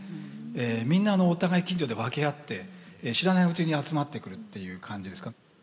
みんなお互い近所で分け合って知らないうちに集まってくるっていう感じですかね。